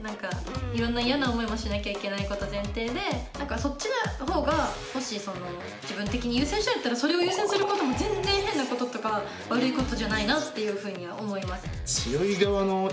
いろんな嫌な思いもしなきゃいけないこと前提でそっちのほうがもし自分的に優先しちゃうんだったらそれを優先することも全然変なこととか悪いことじゃないなっていうふうには思います。